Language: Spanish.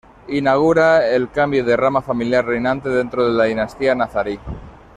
Inaugura el cambio de rama familiar reinante dentro de la dinastía nazarí.